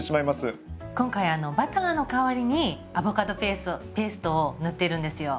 今回バターの代わりにアボカドペーストを塗ってるんですよ。